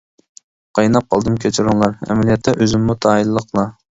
قايناپ قالدىم كەچۈرۈڭلار، ئەمەلىيەتتە ئۆزۈممۇ تايىنلىقلا.